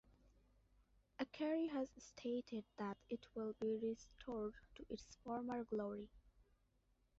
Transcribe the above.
Ackerie has stated that it will be restored to its former glory.